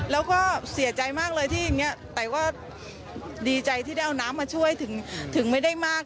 แล้วก็เสียใจมากเลยที่อย่างนี้แต่ว่าดีใจที่ได้เอาน้ำมาช่วยถึงไม่ได้มาก